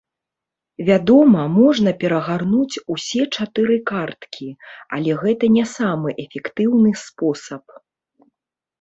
Вядома, можна перагарнуць усе чатыры карткі, але гэта не самы эфектыўны спосаб.